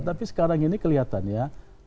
tapi sekarang ini kelihatan ya